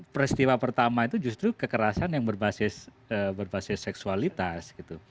peristiwa pertama itu justru kekerasan yang berbasis seksualitas